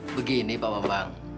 begini pak bambang